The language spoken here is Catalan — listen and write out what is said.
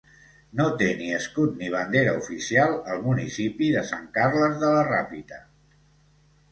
No té ni escut ni bandera oficial el municipi de Sant Carles de la Ràpita.